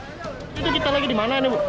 kita lagi di mana